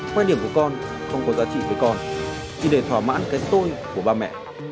khoe điểm của con không có giá trị với con chỉ để thỏa mãn cái tôi của ba mẹ